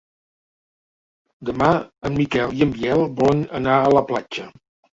Demà en Miquel i en Biel volen anar a la platja.